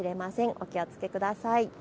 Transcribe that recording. お気をつけください。